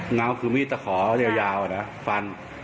เหงาคือมี่ดตะขอเลี้ยวยาวอะนะฟัน